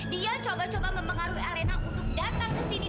dia coba coba mempengaruhi arena untuk datang ke sini